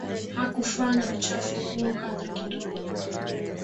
Hakufanya uchafu huo hata kidogo